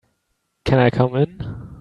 Can I come in?